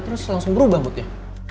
terus langsung berubah moodnya